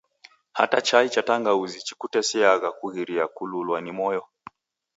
Hata chai cha tangauzi chikutesiagha kughiria kululwa ni moyo.